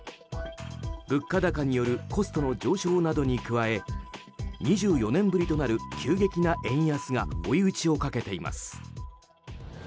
物価高によるコストの上昇などに加え２４年ぶりとなる急激な円安が追い打ちをかけています。